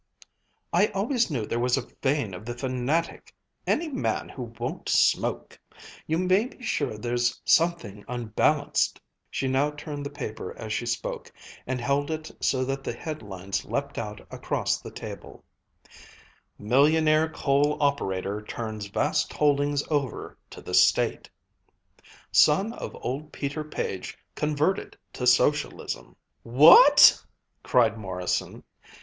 I always knew there was a vein of the fanatic any man who won't smoke you may be sure there's something unbalanced !" She now turned the paper as she spoke and held it so that the headlines leaped out across the table: MILLIONAIRE COAL OPERATOR TURNS VAST HOLDINGS OVER TO THE STATE Son of Old Peter Page Converted to Socialism "What!" cried Morrison.